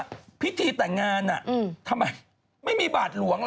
ว่าพิธีแต่งงานอ่ะทำไมไม่มีบาตรลวงล่ะ